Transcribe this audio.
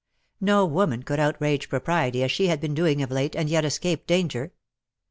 No woman could outrage propriety as she had been doing of late, and yet escape danger.